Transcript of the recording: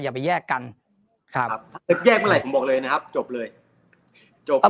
ไปแยกกันครับแยกเมื่อไหร่ผมบอกเลยนะครับจบเลยจบ